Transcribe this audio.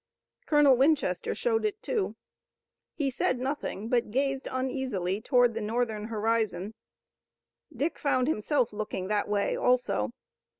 Colonel Winchester showed it, too. He said nothing, but gazed uneasily toward the Northern horizon. Dick found himself looking that way also.